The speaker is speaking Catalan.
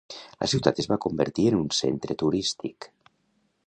La ciutat es va convertir en un centre turístic.